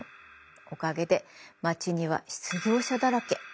おかげで街には失業者だらけ。